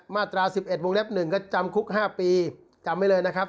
มาตราสิบเอ็ดวงเล็บหนึ่งก็จำคุกห้าปีจำไว้เลยนะครับ